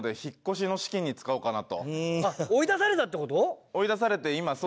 あっ追い出されたって事？